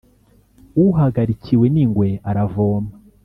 Uhagarikiwe n’ingwe aravoma.